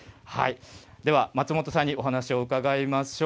では松本さんにお話を伺いましょう。